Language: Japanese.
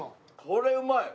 これうまい。